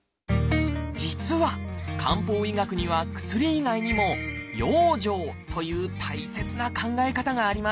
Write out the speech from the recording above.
実は漢方医学には薬以外にも「養生」という大切な考え方があります。